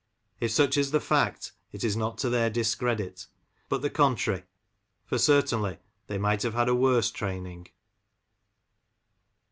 If such is the fact, it is not to their discredit, but the contrary, for certainly they might have had a worse training.